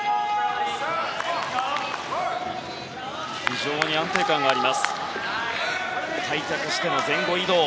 非常に安定感があります。